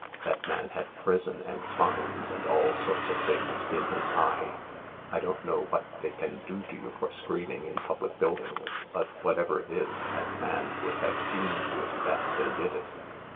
That man had prison and fines and all sorts of things in his eye. I don't know what they can do to you for screaming in public buildings, but, whatever it is, that man would have seen to it that they did it."